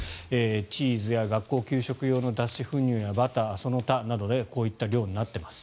チーズや学校給食用の脱脂粉乳やバターその他などでこういった量になっています。